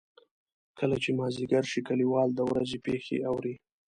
کله چې مازدیګر شي کلیوال د ورځې پېښې اوري.